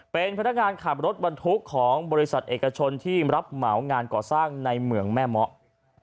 เป็นพนักงานขับรถบรรทุกของบริษัทเอกชนที่รับเหมางานก่อสร้างในเหมืองแม่เมาะ